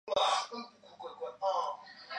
与陈瑞祺书院联系。